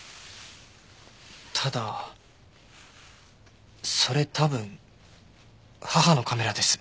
ただそれ多分母のカメラです。